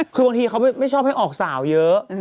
คือบางทีเขาไม่ชอบให้ออกสาวเยอะ